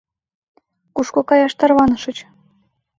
— Кушко каяш тарванышыч?